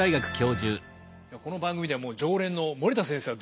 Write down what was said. この番組ではもう常連の森田先生はどうですか？